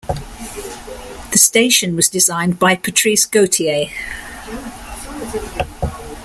The station was designed by Patrice Gauthier.